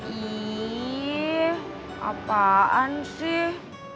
iya apaan sih